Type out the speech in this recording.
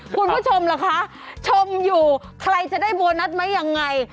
คุณผู้ชมล่ะคะชมอยู่ใครจะได้โบนัสไหมยังไง